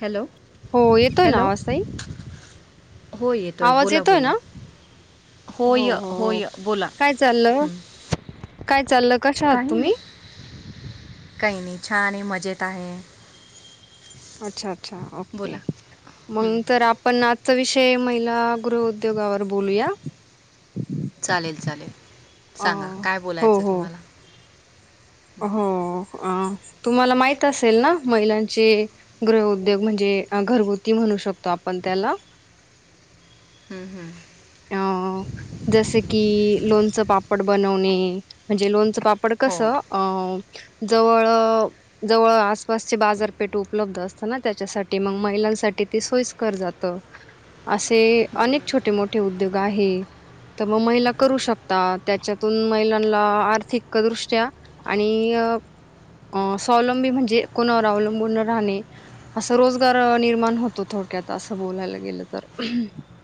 Hello हो, येतोय hello ना आवाज ताई? हो येतोय, आवाज बोला येतोय बोला. ना हो होय हो हो होय, बोला काय चाललं काय चाललं, कशा आहात काही नाही तुम्ही? काही नाही. छान आहे. मजेत आहे. अच्छा! अच्छा! ओके. बोला हं. मग तर आपण आ आजचा विषय महिला गृह उद्योगावर बोलूया. चालेल चालेल. सांगा. काय हो बोलायचं हो तुम्हाला? हो. तुम्हाला माहित असेल ना महिलांचे गृह उद्योग म्हणजे घरगुती म्हणू शकतो आपण त्याला. हम्म अ हम्म. जसे की लोणचं पापड बनवणे म्हणजे लोणचं पापड हो कसं अ जवळ जवळ आसपासची बाजारपेठ उपलब्ध असत ना, त्याच्यासाठी मग महिलांसाठी ते सोईस्कर जात. असे अनेक छोटे मोठे उद्योग आहे. त्यामुळे महिला करू शकतात. त्याच्यातून महिलांना आर्थिकदृष्ट्या आणि स्वावलंबी म्हणजे कोणावर अवलंबून राहणे असं रोजगार निर्माण होतो थोडक्यात असं बोलायला गेलं तर.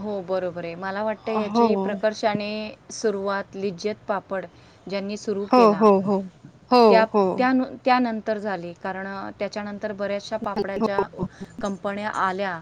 हो बरोबर आहे. मला वाटतं याची हो प्रकष ज्यांनी सुरुवात लिज्जत पापड ज्यांनी सुरू सुरू हो केला. हो हो हो त्या- हो त्या-त्यानंतर झाले. कारण त्याच्यानंतर बऱ्या पापड्याच्या हो कंपन्या आल्या,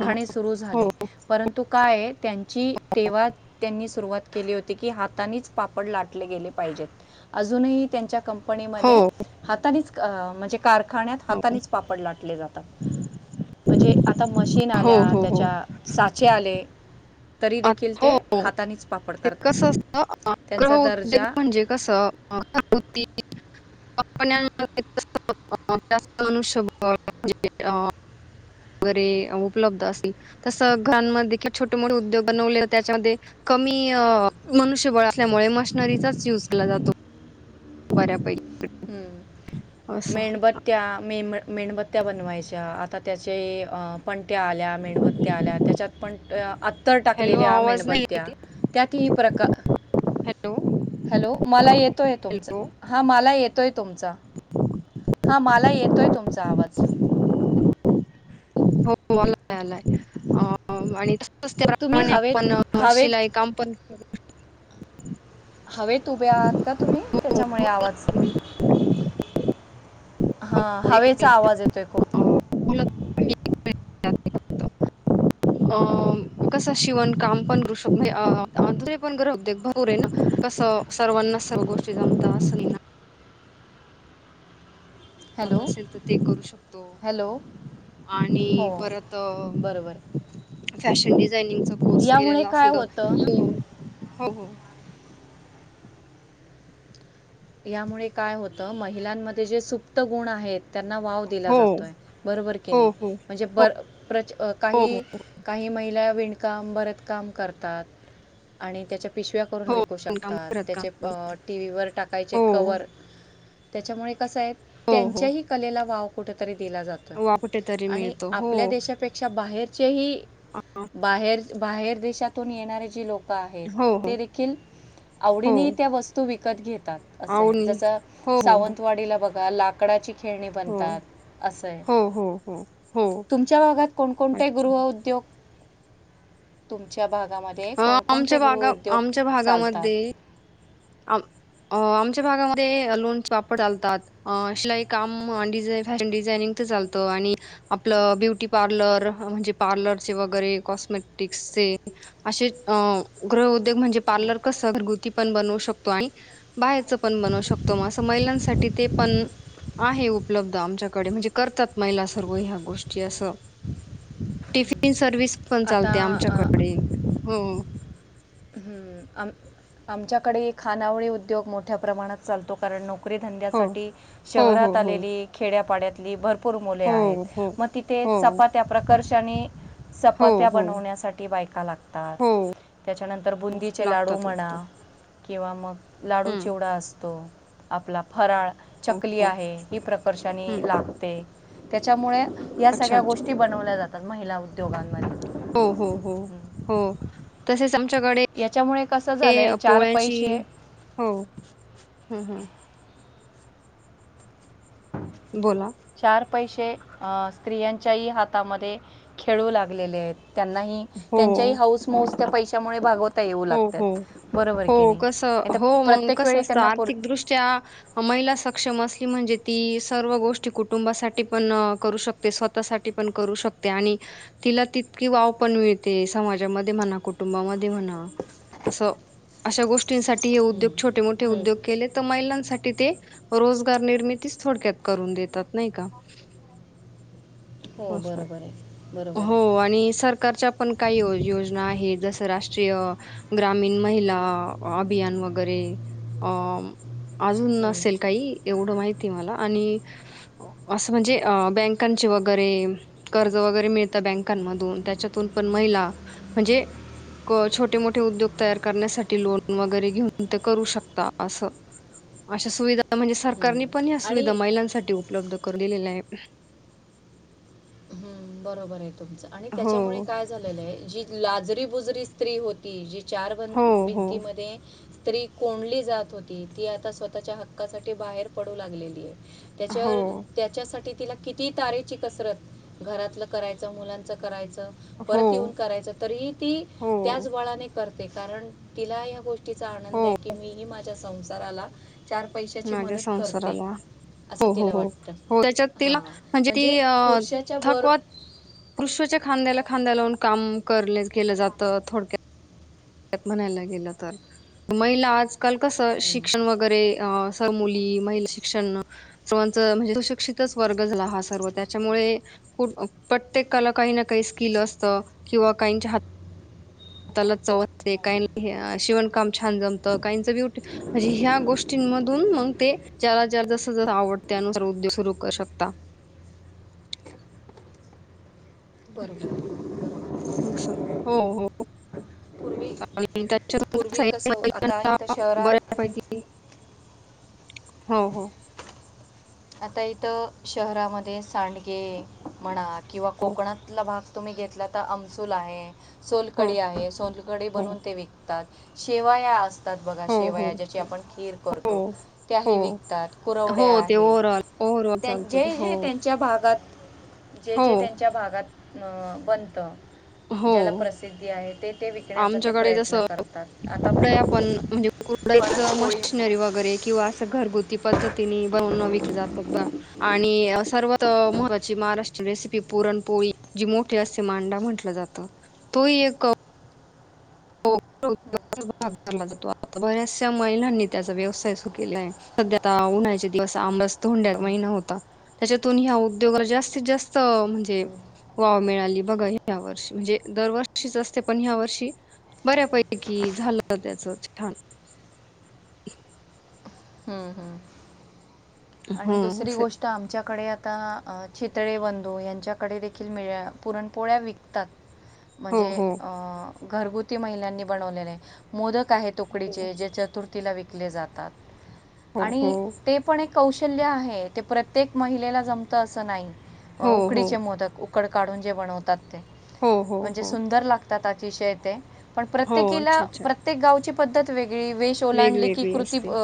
हो सुरू झाले. परंतु काय आहे, त्यांची तेव्हा त्यांनी सुरुवात केली होती की हातानीच पापड लाटले गेले पाहिजेत. अजूनही त्यांच्या क कंपनीमध्ये हो हातानीच म्हणजे कारख्यात हातानीच पापड लाटले जातात. म्हणजे आता मशीन हो आल्या. हो हो त्याच्या साचे आले. तरी आ देखील हो. ते हातानेच पापड ते करतात कसं असतं त्यांचा [unintelligible] दर्जा उद्योग [unintelligible] कसं [unintelligible] [unintelligible] वगैरे उपलब्ध अस. तस घाणमध्ये देखील छोटे मोठे उद्योग बनवल्या त्याच्यामध्ये कमी मनुष्यबळ असल्यामुळे मशनरीचाच युज केला जातो. बऱ्यापैकी. हम. असं मेणबत्त्या मे- मेणबत्त्या बनवायच्या आता त्या जे पणत्या आल्या. मेणबत्त्या आल्या. त्याच्यात पण आ तेल हॅलो टाकलेल्या आवाज नाही मेणबत्त्या येते त्यातही प्रका हॅलो हॅलो. मला येतोय तुमचा. हॅलो हा मला येतोय तुमचा. हा मला येतोय तुमचा आवाज. हो. आलाय आलाय. आ तुम्ही त्याप्रमाणे हवेत आपण हवेत शिलाई काम पण हवेत उभे आहात का तुम्ही? हो हो त्याच्यामुळे आवाज. ना. हो, हा. हो, एक हवेचा मिनिट आवाज येतोय खूप. [unintelligible] [inaudible] [inaudible] कसं शिवण काम पण करू शकतो. [unintelligible] सर्वांनाच सर्व गोष्टी जमता अस नाही. हॅलो जमत असेल तर ते करू शकतो. हॅलो आणि हो परत बरोबर फॅशन डिझाइनिंगचा कोर्स यामुळे केलेला काय असेल तर होतं हो, हो. यामुळे काय होतं, महिलांमध्ये जे सुप्त गुण आहेत- त्यांना वाव दिला हो हो जातोय, बरोबर की नाही, हो हो म्हणजे बर- प्रच- हो हो काही- काही महिला विणकाम, भरतकाम करतात आणि त्याच्या- पिशव्या करून विकू हो काम शकतात, करत त्याचे काम टीव्हीवर टाकायचे हो कवर- त्याच्यामुळे कस आहे, हो हो त्यांच्याही कलेला वाव कुठेतरी दिला जातो. वा कुठेतरी आणि मिळतो हो आपल्या देशापे- क्षा बाहेरचेही हो बाहेर, बाहेर देशातून येणारे जे लोक- आहेत, हो ते देखील हो आवडीने त्या वस्तू विकत घेतात. असं आहे, आवनी जस हो सावंतवाडीला बघा लाकडाची- खेळणी हो बनतात, असाय. हो हो हो हो हो तुमच्या भागात कोणकोणते अच्छा गृहउद्योग- तुमच्या भागामध्ये अ, कोणकोणते आमच्या भागा गृहउद्योग आमच्या चालतात? भागामध्ये आम- आमच्या भागामध्ये लोणचे, पापड चालतात. अ शिलाई काम, डिझा, फॅशन डिझायनिंगच चालतं आणि- आपलं ब्युटी पार्लर, म्हणजे पार्लरचे वगैरे कॉस्मेटिक्सचे. असे अ, गृह उद्योग म्हणजे पार्लर कसं घरगुती पण बनवू शक- [unintelligible] पण, बाहेरच पण बनवू शकतो, मगं महिलांसाठी ते पण- आहे उपलब्ध आमच्याकडे, म्हणजे करतात महिला सर्व ह्या गोष्टी असं. टिफिन सर्विस पण चालते आता आमच्याकडे, हो. हम्म, आम- आमच्याकडे ही खानावळी उद्योग मोठ्या प्रमाणात- चालतो, कारण नोकरी हो धंद्यासाठी हो हो शहरात हो आलेली, खेड्यापाड्यातली, भर- पुर मुले हो आहेत, मग तिथे हो चपात्या प्रकर्षने- हो चपात्या हो बनवण्यासाठी बायका लागतात. हो त्याच्यानंतर बुंदीचे लाडू लागतात म्हणा लागतात. किंवा मग लाडू हम्म चिवडा असतो. आपला फराळ, हो चकली हो आहे, ही प्रकर्षाने हम्म लागते, त्याच्यामुळे- या अच्छा सगळ्या अच्छा गोष्टी बनवल्या जातात, महिला उद्योगांमध्ये. हो, हो, हो, हं. हो. तसेच आमच्याकडे याच्यामुळे कसं झालंय [inaudible] चार पैसे पोळ्याची- हो, हं, हं. बोला. चार पैसे अ.. स्त्रियांच्याही हातामध्ये खेळू लागलेले आहेत, त्यांनाही- हो त्यांच्या ही हाऊस, मऊस त्या पैशमुळे भागवत- येऊ हो हो लागतात बरोबर की हो नाही, कसं नाही तर प्रत्येक वेळी त्यांना- च्या, महिला सक्षम असली म्हणजे ती सर्व गोष्टी कुटुंबासाठी पण करू शकत- ते स्वतःसाठी पण करू शकते आणि- तिला तितकी वाव पण मिळते, समाजामध्ये म्हणा, कुटुंबामध्ये म्हणा. असं, अशा गोष्टींसाठी हे हम्म. उद्योग छोटे-मोठे हम्म. उद्योग केलेत‌. तर महिलांसाठी ते, रोजगार निर्मिती थोडक्यात करून देतात नाही का? हो बरोबर आहे [unintelligible] बरोबर हो आहे आणि सर- कारच्या पण काही यो, योजना आहेत, जसं राष्ट्रीय- ग्रामीण महिला, अभियान वगैरे, अं.. - अजून हम्म. नसेल काही, एवढं माहितेय मला आणि- असं म्हणजे अ बँकांची वैग- रे, कर्ज वगैरे मिळत बँकमधून त्याच्यातून पण महिला म्हणजे- क, छोटे मोठे उद्योग तयार करण्यासाठी लोन वगैरे, घेऊन ते करू शकता असं. अशा सुविधा म्हणजे सरकारने हम्म. पण या आणि सुविधा महिलांसाठी उपलब्ध करून दिलेल्या आहेत. हम्म बरोबर आहे तुमचं, आणि त्याच्यामुळे हो काय झालेलं आहे जी लाजरी बुजरी स्त्री होती, जी चार बंद हो हो भिंतीमध्ये स्त्री कोंडली जात होती, ती आता स्वतःच्या हक्कासाठी बाहेर पडू लागलेली आहे. हो त्याच्यावर, त्याच्यासाठी तिला किती तारेची कसरत. घरातल करायच, मुलांच करायचं, हो परत येऊन करायचं. तरीही ती, हो त्याच बळाने करते कारण तिला या गोष्टीचा हो आनंद आहे की, मी ही माझ च्या संसाराला. चार पैशाची माझ्या मदत करते, संसाराला. असं हो हो तिला हो वाटतं. हो, त्याच्यात तिला, हां, म्हणजे ती अ. पुरुषाच्या बर थकवा, पुरुषाच्या खांद्याला, खांद्या लावून काम कर, केलं जातं थोडक्यात. त्यात म्हणायला गेल तर, महिला आजकाल कस शिक्षण वगैरे अ, सर्व मुली, महिला शिक्षण सर्वांच म्हणजे सुशिक्षितच वर्ग झाला हा सर्व त्याच्यामुळे प्रत्येकाला काही ना काही स्किल असत, किंवा काहीच्या हात हाताला चव असते, काहींना ह्या शिवणकाम छान जमतं, काहीचं ब्युटी म्हणजे ह्या गोष्टींमधून मंग ते ज्याला ज जसं ज, आवडत त्यानुसार उद्योग सुरू करू शकता. बरोबर हो हो. पूर्वी पूर्वी कसं आता इथं [unintelligible] [unintelligible] शहरा बऱ्यापैकी हो हो. आता इथं शहरामध्ये सांडगे म्हणा किंवा हो कोकणातला भाग तुम्ही घेतला तर अमसूल आहे हो सोलकडी आहे सोलकडी हो बनवून ते विकतात. शेवया अस तात बघा हो शेवया ज्याची आपण खीर हो हो करतो त्याही हो विकतात कुरवड्या ते आहेत. हो ओव्हरऑल [unintelligible] त्यांचै ते हे, हो हे त्यां च्या भागात, जे हो जे त्यांच्या भागात अं बनत. हो ज्याला प्रसिद्धी आहे ते. ते विकण्याचा ते आमच्याकडे प्रयत्न जसं करतात [unintelligible] आता पण म्हणजे कुरडईच परत पोळी मशनरी वगैरे. किंवा असं घरगुती पद्धतीनी बनवून न विकले जातात बा. आणि सर्वात महत्त्वाची महाराष्ट्रीय रेसिपी पुरणपोळी जी मोठी. मोठे असते मांडा म्हटलं जात तो एक [inaudible] भाग भरला जातो आता बऱ्याचशा महिलांनी त्याचा व्यवसाय सुरू केला आहे. सध्या आता उन्हाळ्याचे दिवस आंबरस धोंड्याचा हो महिना होता. त्याच्यातून ह्या उद्योगाला जास्तीत जास्त म्हणजे वाव मिळाली बघा ह्या वर्षी म्हणजे दरवर्षीच असते पण ह्या वर्षी. बऱ्यापैकी झालं त्याच छान. हम्म हम्म हो आणि दुसरी असे गोष्ट आमच्याकडे आता चितळे बंधू यांच्याकडे देखील मिळ्या पुरणपोळ्या विकतात. हो म्हणजे हो घरगुती महिलांनी बनवलेले मोदक आहेत. हो उकडीचे जे चतुर्थीला विकले जातात. हो हो आणि ते पण एक कौशल्य आहे ते प्रत्येक महिलेला जमतं असं नाही. हो उकडीचे मोदक उकड काढून जे बनवतात ते हो हो म्हणजे हो सुंदर लाग तात अतिशय ते पण हो प्रत्येकिला अच्छा अच्छा प्रत्येक गावची पद्त वेगळी चोलांली की कृती अ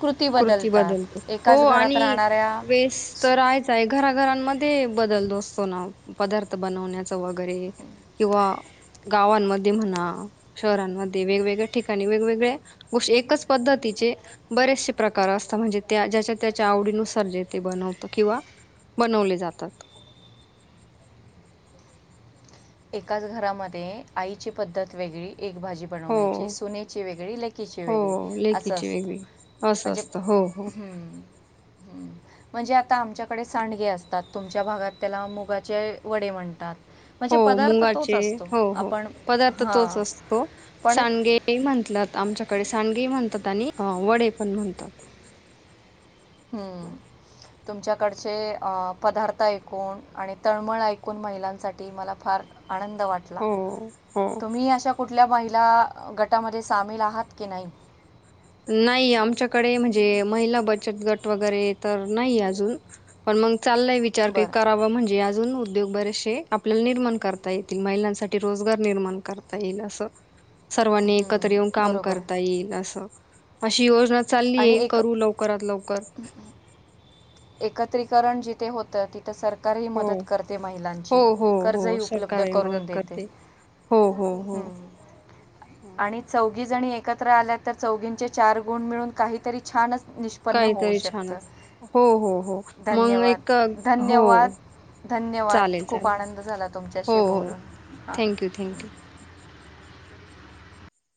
कृती कृर्ती बदलते. बदलतात हो एकाच घरात आणि राहणाऱ्या वेस सु- तर आहेतआहे. घराघरांमध्ये बदलतो असतो ना पदार्थ बनवण्याच वगैरे हे. किंवा गावांमध्ये म्हणा. शहरांमध्ये वेगवेगळ्या ठिकाणी वेगवेगळ्या गोष्टी एकच पद्धतीचे बरेचसे प्रकार असतात म्हणजे त्या ज्याच्या त्याच्या आवडीनुसार जे ते बनवत किंवा बनवले जातात. एकाच घरामध्ये आईची पद्धत वेगळी एक भाजी हो बनवण्याची सुनेची वेगळी लेकीची हो वेगळी असं लेकीची असतं. वेगळी असं म्हणजे असत हो हो. हम्म, हम्म. म्हणजे आता आमच्याकडे सांडगे असतात तुमच्या भागात त्याला मुगाचे वडे म्हणतात. हो. म्हणजे पदार्थ तोच मुंगाचे असतो हो हो आपण पदार्थ तोच हां असतो. पण सांडगे ते म्हणटलात आमच्याकडे सांडगे ही म्हणतात आणि वडे पण म्हणतात. हम्म. तुमच्याकडचे अ पदार्थ ऐकून आणि तळमळ ऐकून महिलांसाठी मला फार आनंद वाट का. हो हो. तुम्ही अशा कुठल्या महिला गटामध्ये सामील आहात की नाही? नाही. आमच्याकडे म्हणजे महिला बचत गट वगैरे तर नाही अजून. पण मग चाललाय विचार क बरं करावा म्हणजे अजून. उद्योग बरेचसे. आपल्याला निर्माण करता येतील. महिलांसाठी रोजगार निर्माण करता येईल असं. सर्वांनी एकत्र हं, येऊन काम बरोबर करता येईल असं. अशी योजना आणि चाललीय एक करू लवकरात लवकर. एकत्रीकरण जिथे होतं तिथे सरकारही हो मदत करते हो महिलांची. हो हो कर्जही उपलब्ध सरकारही मदत करून देते. करते. हम्म. हम. चौघी जणी एकत्र आल्यात तर चौघींचे चार गुण मिळून काहीतरी छानच उत्पन्न होऊ काहीतरी शकत. छानच हो हो हो मग धन्यवाद! एक हो धन्यवाद! धन्यवाद! चालेल खूप चालेल आनंद झाला तुमच्याशी बोलून. हा. Thank you thank you.